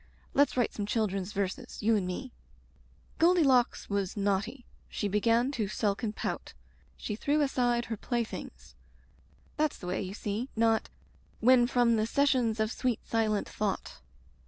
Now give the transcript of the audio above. Let's write some children's verses, you and me Goldilocks was naughty, she began to sulk and pout. She threw aside her playthings— ' That's the way, you see, not "* When from the sessions of sweet silent thought.'